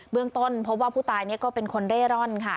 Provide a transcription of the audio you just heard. เรื่องต้นพบว่าผู้ตายก็เป็นคนเร่ร่อนค่ะ